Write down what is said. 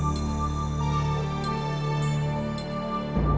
minta kasih pertolongan